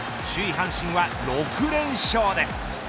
阪神は６連勝です。